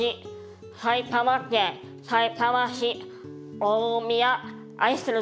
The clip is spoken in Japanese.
埼玉県さいたま市大宮。